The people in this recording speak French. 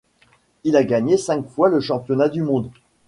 Il a gagné cinq fois le championnat du monde.